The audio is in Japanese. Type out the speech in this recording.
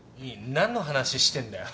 何の話してんだよ。